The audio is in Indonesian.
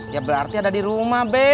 ya berarti ada di rumah b